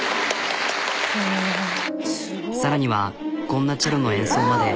さらにはこんなチェロの演奏まで。